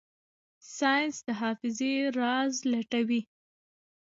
ساینس د حافظې راز لټوي.